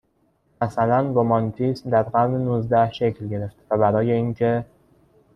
مثلاً رمانتیسم در قرن نوزده شکل گرفت و برای اینکه